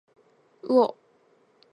うお